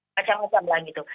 macam macam lah gitu